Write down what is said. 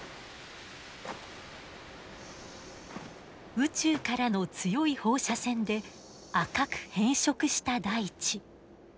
宇宙からの強い放射線で赤く変色した大地。